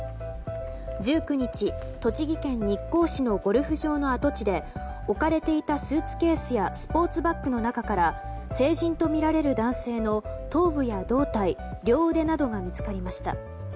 １９日、栃木県日光市のゴルフ場の跡地で置かれていたスーツケースやスポーツバッグの中から成人とみられる男性の頭部や胴体、両腕などが見つかりました。